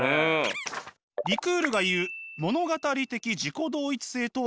リクールが言う物語的自己同一性とはどういうものか？